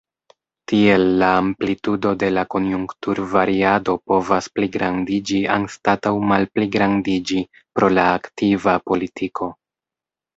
Tiel la amplitudo de la konjunkturvariado povas pligrandiĝi anstataŭ malpligrandiĝi pro la aktiva politiko.